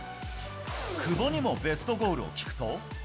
久保にもベストゴールを聞くと。